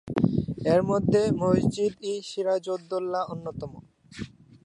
এর মধ্যে মসজিদ-ই-সিরাজ উদ-দৌলা অন্যতম।